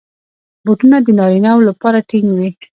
بوټونه د نارینه وو لپاره ټینګ وي.